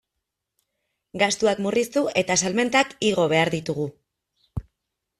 Gastuak murriztu eta salmentak igo behar ditugu.